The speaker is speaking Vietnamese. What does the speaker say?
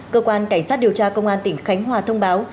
cơ quan cảnh sát điều tra công an tỉnh khánh hòa thông báo